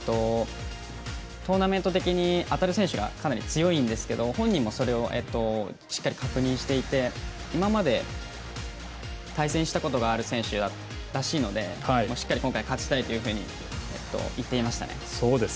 トーナメント的に当たる選手がかなり強いんですけど本人もそれをしっかり確認していて今まで、対戦したことがある選手らしいのでしっかり今回、勝ちたいというふうに言っていましたね。